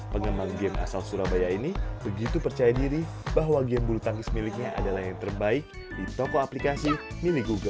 pengembang game asal surabaya ini begitu percaya diri bahwa game bulu tangkis miliknya adalah yang terbaik di toko aplikasi milik google